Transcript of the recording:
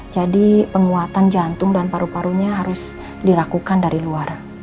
jadi penguatan jantung dan paru parunya harus dirakukan dari luar